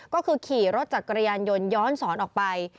ก็คือขี่รถจักรยานยนต์ย้อนสอนออกไป